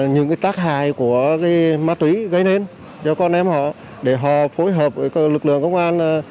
những tác hại của ma túy gây nên cho con em họ để họ phối hợp với lực lượng công an